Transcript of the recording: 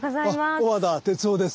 小和田哲男です。